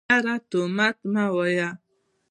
يره تومت مه وايه.